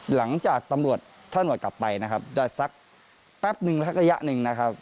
หลังจากตำรวจท่อนวัดกลับไปนะครับได้สักแป๊บนึงสักระยะหนึ่งนะครับ